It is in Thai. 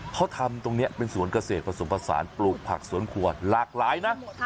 เขาทำตรงนี้เป็นสวนเกษตรผสมผสานปลูกผักสวนครัวหลากหลายนะ